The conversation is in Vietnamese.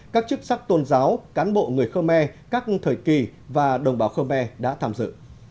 các chức sắc tôn giáo cán bộ người khơ me các thời kỳ và đồng bào khơ me đã tham dự